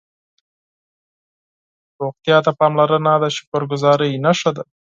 صحت ته پاملرنه د شکرګذارۍ نښه ده